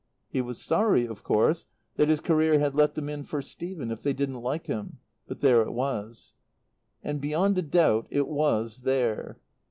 He was sorry, of course, that his career had let them in for Stephen if they didn't like him; but there it was. And beyond a doubt it was there.